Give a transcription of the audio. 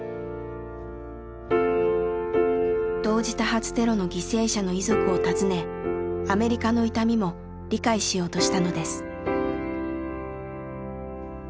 同時多発テロの犠牲者の遺族を訪ねアメリカの痛みも理解しようとしたのです。